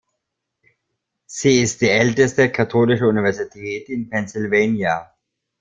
Sie ist die älteste katholische Universität in Pennsylvania.